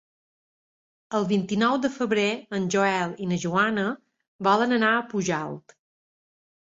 El vint-i-nou de febrer en Joel i na Joana volen anar a Pujalt.